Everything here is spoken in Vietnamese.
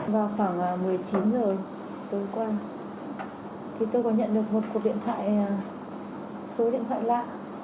vào khoảng một mươi chín h tối qua tôi có nhận được một cuộc điện thoại số điện thoại lạ